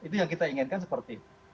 itu yang kita inginkan seperti